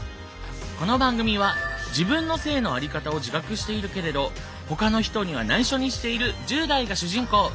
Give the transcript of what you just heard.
この番組は自分の性のあり方を自覚しているけれどほかの人には内緒にしている１０代が主人公。